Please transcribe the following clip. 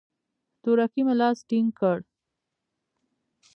تورکي مې لاس ټينگ کړ.